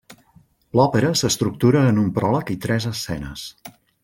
L'òpera s'estructura en un pròleg i tres escenes.